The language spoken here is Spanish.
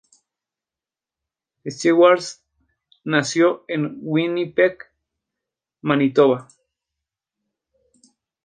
Schwartz Nació en Winnipeg, Manitoba.